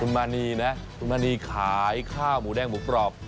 มานีนะคุณมณีขายข้าวหมูแดงหมูกรอบ